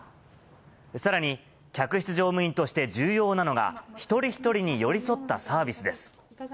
さらに、客室乗務員として重要なのが、一人一人に寄り添ったサービスです。